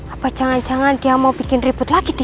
apa jangan jangan dia mau bikin ribut lagi